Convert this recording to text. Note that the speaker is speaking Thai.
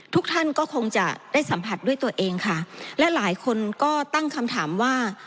ทุกท่านก็คงจะได้สัมผัสด้วยตัวเองค่ะและหลายคนก็ตั้งคำถามว่า